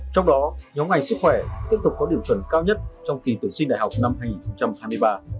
trong đó nhóm ngành sức khỏe tiếp tục có điểm chuẩn cao nhất trong kỳ tuyển sinh đại học năm hai nghìn hai mươi ba